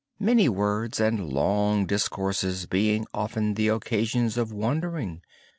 Many words and long discourses are often the occasions of wandering.